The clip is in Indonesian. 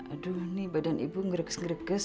aduh ini badan ibu ngereges ngereges